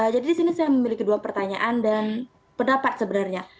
jadi di sini saya memiliki dua pertanyaan dan pendapat sebenarnya